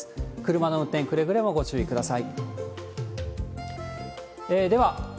車の運転、くれぐれもご注意ください。